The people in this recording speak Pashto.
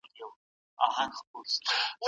ولي هغه کارونه نه کوو چي د هېواد د پرمختګ لامل کېږي؟